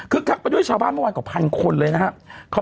คือคักไปด้วยชาวบ้านเมื่อวานกว่าพันคนเลยนะครับ